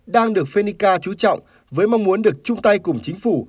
đang được fenica chú trọng với mong muốn được chung tay cùng chính phủ